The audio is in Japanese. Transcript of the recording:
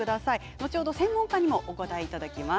後ほど専門家にもお答えいただきます。